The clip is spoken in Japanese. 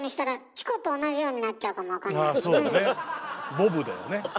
ボブだよね。